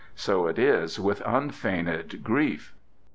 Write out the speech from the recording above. So is it with unfeigned grief."